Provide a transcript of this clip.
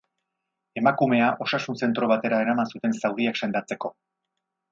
Emakumea osasun zentro batera eraman zuten zauriak sendatzeko.